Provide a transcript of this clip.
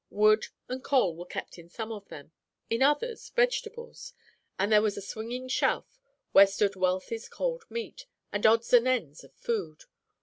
Wood and coal were kept in some of them, in others vegetables, and there was a swinging shelf where stood Wealthy's cold meat, and odds and ends of food.